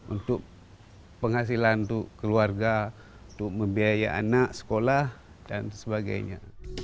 untuk penghasilan untuk keluarga untuk membiaya anak sekolah dan sebagainya